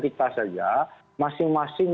kita saja masing masing